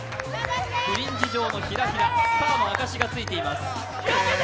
フリンジ状のひらひら、スターの証しがついています。